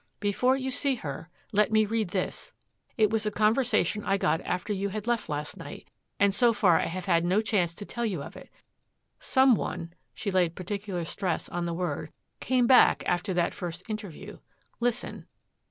Before you see her let me read this. It was a conversation I got after you had left last night and so far I have had no chance to tell you of it. Some one," she laid particular stress on the word, "came back after that first interview. Listen."